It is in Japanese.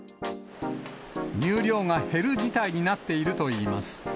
乳量が減る事態になっているといいます。